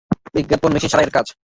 বিজ্ঞাপন মেশিন সারাইয়ের কাজ।